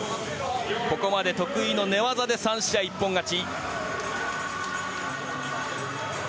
ここまで得意の寝技で３試合一本勝ち。